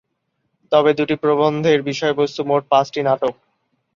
তবে দু’টি প্রবন্ধের বিষয়বস্তু মোট পাঁচটি নাটক।